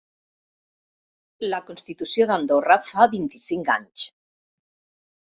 La constitució d’Andorra fa vint-i-cinc anys.